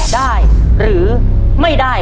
ได้หรือไม่ได้